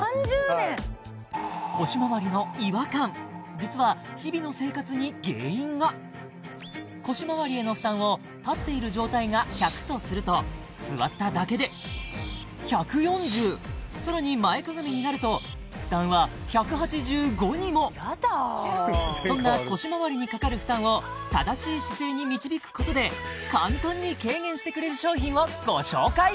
実は日々の生活に原因が腰回りへの負担を立っている状態が１００とすると座っただけで１４０さらに前かがみになると負担は１８５にもやだそんな腰回りにかかる負担を正しい姿勢に導くことで簡単に軽減してくれる商品をご紹介